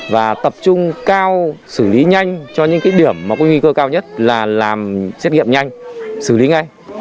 và tập trung cao xử lý nhanh cho những điểm có nguy cơ cao nhất là xét nghiệm nhanh xử lý ngay